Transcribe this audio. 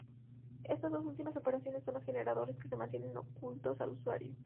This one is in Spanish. Estas dos últimas operaciones son los generadores que se mantienen ocultos al usuario.